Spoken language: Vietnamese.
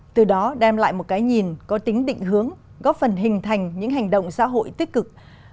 từ đó đem lại một cái nhìn có tính định hướng góp phần hình thành những hành động xã hội tích cực